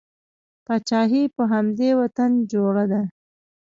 پاچاهي په همدې وطن جوړه ده.